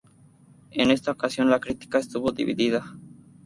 En esta ocasión, la crítica estuvo dividida.